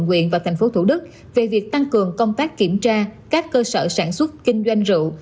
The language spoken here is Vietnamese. nguyện và tp thủ đức về việc tăng cường công tác kiểm tra các cơ sở sản xuất kinh doanh rượu